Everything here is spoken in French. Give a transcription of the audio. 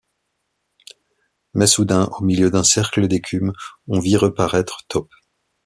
Mais soudain, au milieu d’un cercle d’écume, on vit reparaître Top.